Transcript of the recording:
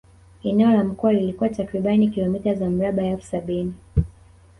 Eneo la mkoa lilikuwa takriban kilometa za mraba elfu sabini